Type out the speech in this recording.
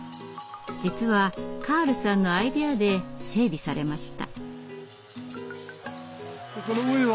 実はカールさんのアイデアで整備されました。